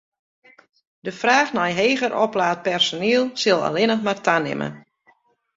De fraach nei heger oplaat personiel sil allinnich mar tanimme.